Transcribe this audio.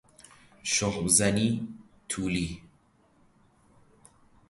شخم زنی طولی